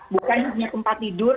bukan hanya tempat tidur